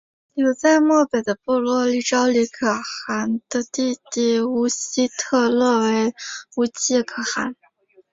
留在漠北的部落立昭礼可汗的弟弟乌希特勒为乌介可汗。